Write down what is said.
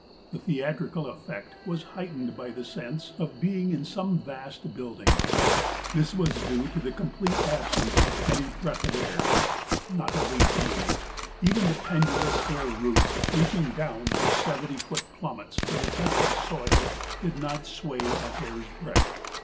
The theatrical effect was heightened by the sense of being in some vast building. This was due to the complete absence of any breath of air. Not a leaf moved; even the pendulous air roots reaching down their seventy foot plummets for the touch of soil did not sway a hair's breadth.